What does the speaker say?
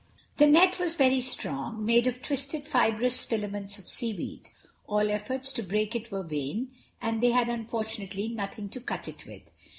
The net was very strong—made of twisted fibrous filaments of seaweed. All efforts to break it were vain, and they had, unfortunately, nothing to cut it with.